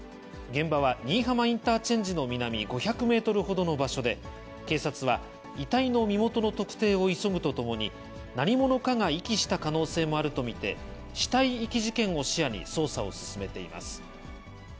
現場は新居浜インターチェンジの南５００メートルほどの場所で、警察は、遺体の身元の特定を急ぐとともに、何者かが遺棄した可能性もあると見て、死体遺棄事件を視野に捜査を進めています。